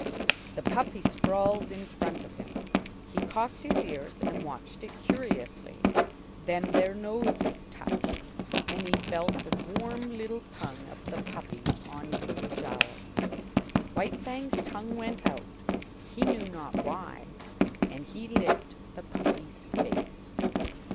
The puppy sprawled in front of him. He cocked his ears and watched it curiously. Then their noses touched, and he felt the warm little tongue of the puppy on his jowl. White Fang's tongue went out, he knew not why, and he licked the puppy's face.